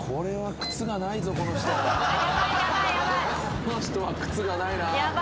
この人は靴がないなぁ。